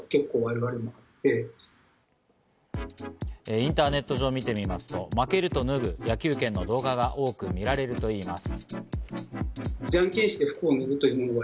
インターネット上を見てみますと、負けると脱ぐ野球拳の動画が多く見られるといいます。